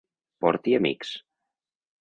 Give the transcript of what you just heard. Porti amics.